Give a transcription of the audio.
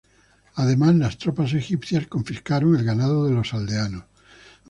Además, las tropas egipcias confiscaron el ganado de los aldeanos.